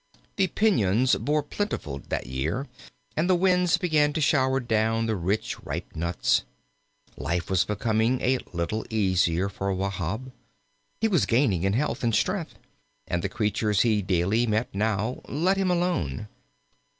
The piñons bore plentifully that year, and the winds began to shower down the ripe, rich nuts. Life was becoming a little easier for Wahb. He was gaining in health and strength, and the creatures he daily met now let him alone.